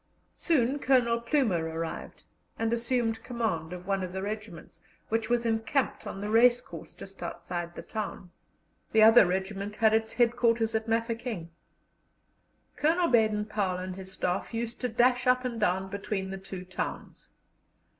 Soon Colonel Plumer arrived, and assumed command of one of the regiments, which was encamped on the racecourse just outside the town; the other regiment had its headquarters at Mafeking. Colonel Baden Powell and his Staff used to dash up and down between the two towns.